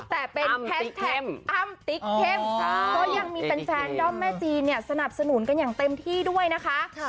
แต่เป็นแฮชแท็กอ้ำติ๊กเข้มก็ยังมีแฟนด้อมแม่จีนเนี่ยสนับสนุนกันอย่างเต็มที่ด้วยนะคะ